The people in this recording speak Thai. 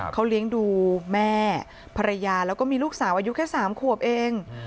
เขาเลี้ยงดูแม่ภรรยาแล้วก็มีลูกสาวอายุแค่๓ขวบเอง